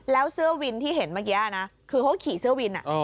แล้วเสื้อวินที่เห็นเมื่อกี้นะคือเขาขี่เสื้อวิน